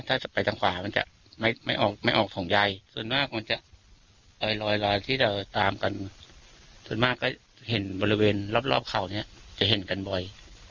ถ้าจะไปทางขวามันจะไม่ออกไม่ออกสองใยส่วนมากมันจะลอยที่เราตามกันส่วนมากก็เห็นบริเวณรอบเขาเนี่ยจะเห็นกันบ่อย